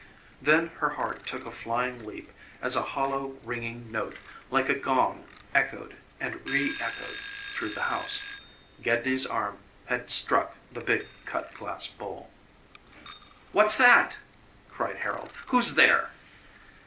Then her heart took a flying leap as a hollow ringing note like a gong echoed and re echoed through the house. Gedney's arm had struck the big cut glass bowl. "What's that!" cried Harold. "Who's there?"